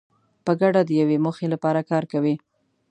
په ګډه د یوې موخې لپاره کار کوي.